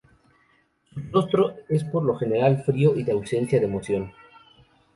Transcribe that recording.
Su rostro es por lo general frío y de ausencia de emoción.